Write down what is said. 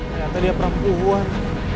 ternyata dia perempuan